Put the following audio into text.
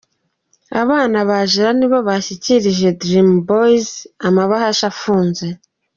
Abana ba Gerard nibo bashyikirije Dream Boyz amabahasha afunze.